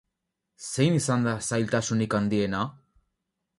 Zein izan da zailtasunik handiena?